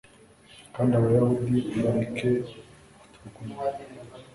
kandi abayahudi bareke kuturwanya